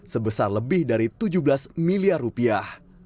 sebesar lebih dari tujuh belas miliar rupiah